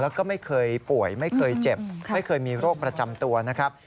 แล้วก็ไม่เคยป่วยไม่เคยเจ็บไม่เคยมีโรคประจำตัวนะครับ